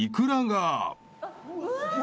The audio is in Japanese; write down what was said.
うわ！